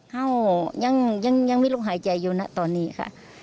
เห่ายังมีลมหายใจอยู่นะตอนนี้ค่ะ